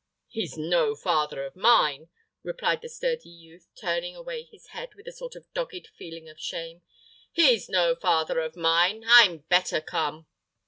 "He's no father of mine," replied the sturdy youth, turning away his head with a sort of dogged feeling of shame. "He's no father of mine; I'm better come."